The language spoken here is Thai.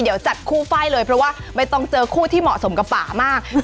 เดี๋ยวจัดคู่ไฟล์เลยเพราะว่าไม่ต้องเจอคู่ที่เหมาะสมกับป่ามาก